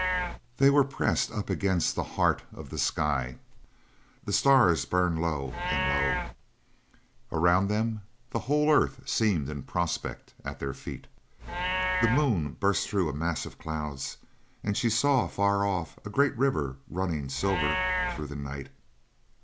They were pressed up against the heart of the sky. The stars burned low, and low. Around them the whole earth seemed in prospect at their feet. The moon burst through a mass of clouds, and she saw, far off, a great river running silver through the night.